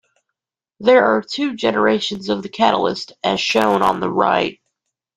There are two generations of the catalyst, as shown on the right.